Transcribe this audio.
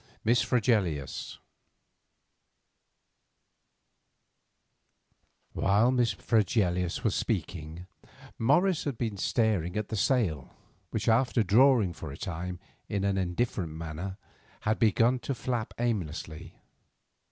MISS FREGELIUS While Miss Fregelius was speaking, Morris had been staring at the sail, which, after drawing for a time in an indifferent fashion, had begun to flap aimlessly.